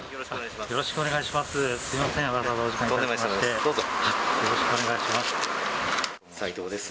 よろしくお願いします。